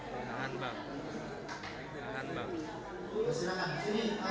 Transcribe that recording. selamat siang dari jaksim